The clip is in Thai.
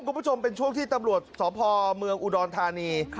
คุณผู้ชมเป็นช่วงที่ตำรวจสพเมืองอุดรธานี